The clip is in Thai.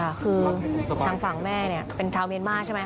นี่ค่ะคือทางฝั่งแม่เป็นชาวเมียนมาสใช่ไหม